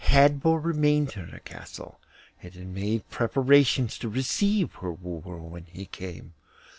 Hadvor remained in her castle, and had made preparations to receive her wooer when he came.